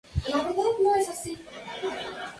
Desde ese año perduraría su amistad con Günther Grass.